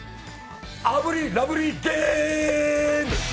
炙りラブリーゲーム！